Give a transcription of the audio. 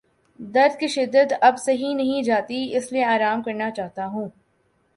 درد کی شدت اب سہی نہیں جاتی اس لیے آرام کرنا چاہتا ہوں۔